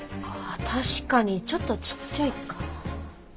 確かにちょっとちっちゃいか。